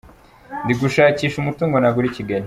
Ndi gushakisha umutungo nagura i Kigali.